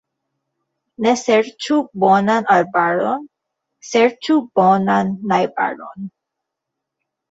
Ne serĉu bonan arbaron, serĉu bonan najbaron.